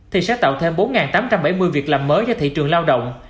thì sẽ tạo thêm bốn tám trăm bảy mươi việc làm mới cho thị trường lao động